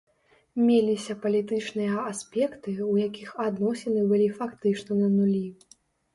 Меліся палітычныя аспекты, у якіх адносіны былі фактычна на нулі.